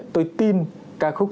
tôi tin ca khúc